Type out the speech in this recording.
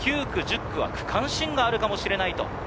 ９区、１０区は区間新があるかもしれないと。